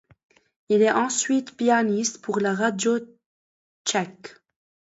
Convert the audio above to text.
Il est ensuite pianiste pour la radio tchèque.